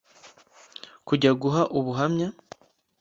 kujya guha ubuhamya.